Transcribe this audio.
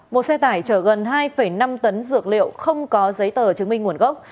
một xe tải chở gần hai năm tấn dược liệu không có giấy tờ chứng minh nguồn gốc